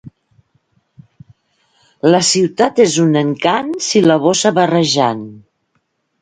La ciutat és un encant si la borsa va rajant.